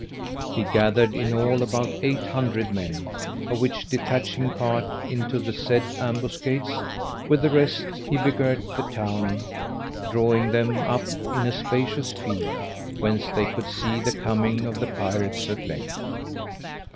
He gathered in all about eight hundred men, of which detaching part into the said ambuscades, with the rest he begirt the town, drawing them up in a spacious field, whence they could see the coming of the pirates at length.